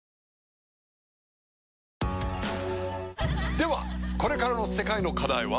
ではこれからの世界の課題は？